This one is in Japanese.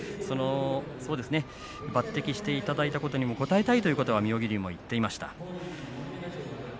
抜てきしていただいたことにも応えたいということは妙義龍も言っていました。